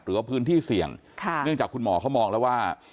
หรือว่าพื้นที่เสี่ยงเนื่องจากคุณหมอเขามองแล้วว่า